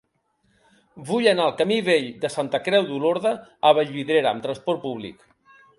Vull anar al camí Vell de Santa Creu d'Olorda a Vallvidrera amb trasport públic.